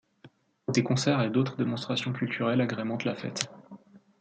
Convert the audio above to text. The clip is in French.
Des concerts et d'autres démonstrations culturelles agrémentent la fête.